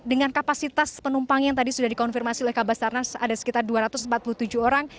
dengan kapasitas penumpang yang tadi sudah dikonfirmasi oleh kabasarnas ada sekitar dua ratus empat puluh tujuh orang